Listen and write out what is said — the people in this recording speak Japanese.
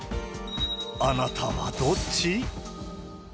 あなたはどっち？